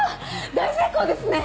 大成功ですね！